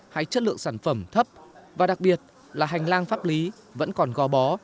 hay chất lượng sản phẩm thấp và đặc biệt là hành lang pháp lý vẫn còn gò bó